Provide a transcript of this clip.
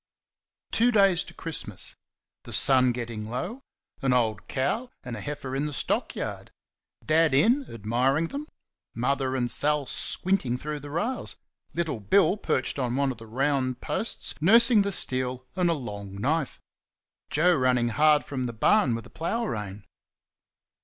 Two days to Christmas. The sun getting low. An old cow and a heifer in the stock yard. Dad in, admiring them; Mother and Sal squinting through the rails; little Bill perched on one of the round posts, nursing the steel and a long knife; Joe running hard from the barn with a plough rein.